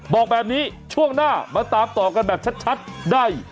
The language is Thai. บอกแบบนี้ช่วงหน้ามาตามต่อกันแบบชัดได้